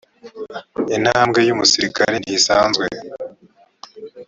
intambwe yumusirikare ntisanzwe.